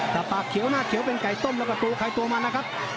แต่ปากเขียวหน้าเขียวเป็นไก่ต้มแล้วก็ตัวใครตัวมันนะครับ